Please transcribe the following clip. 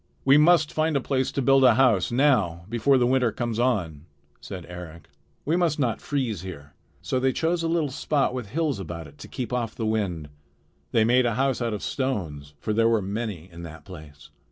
"We must find a place to build a house now before the winter comes on," said Eric. "We must not freeze here." So they chose a little spot with hills about it to keep off the wind. They made a house out of stones; for there were many in that place.